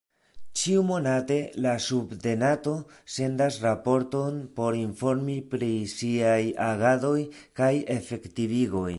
Ĉiumonate la subtenato sendas raporton por informi pri siaj agadoj kaj efektivigoj.